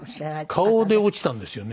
顔で落ちたんですよね。